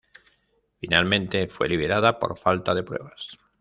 Finalmente fue liberada por falta de pruebas.